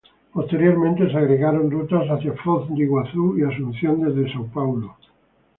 Posteriormente se agregaron rutas hacia Foz de Iguazú y Asunción desde Sao Paulo.